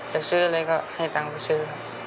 อยากซื้ออะไรก็ให้ต่างประชื้น